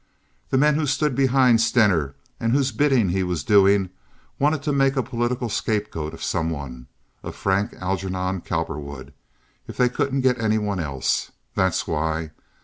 The men who stood behind Stener, and whose bidding he was doing, wanted to make a political scapegoat of some one—of Frank Algernon Cowperwood, if they couldn't get any one else. That's why.